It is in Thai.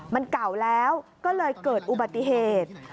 มันเก่าแล้วก็เลยเกิดอุบัติเหตุ